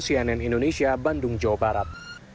cnn indonesia bandung jawa barat